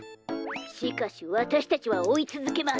しかしわたしたちはおいつづけます。